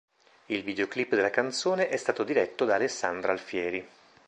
Il videoclip della canzone è stato diretto da Alessandra Alfieri.